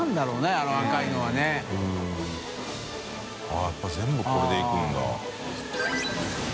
舛やっぱ全部これでいくんだ。